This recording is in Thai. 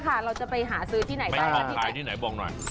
ซื้อนี้ค่ะเราจะไปหาซื้อที่ไหนได้